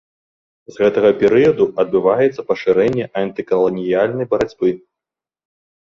З гэтага перыяду адбываецца пашырэнне антыкаланіяльнай барацьбы.